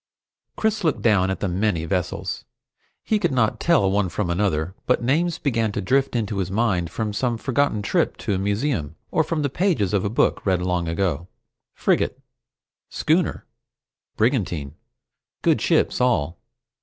Chris looked down at the many vessels. He could not tell one from another, but names began to drift into his mind from some forgotten trip to a museum, or from the pages of a book read long ago. Frigate, schooner, brigantine. Good ships all.